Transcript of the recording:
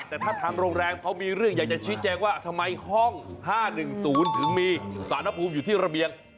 แต่ถ้าทางโรงแรมเขามีเรื่องอยากจะชี้แจงว่าทำไมห้อง๕๑๐ถึงมีสารภูมิอยู่ที่ระเบียง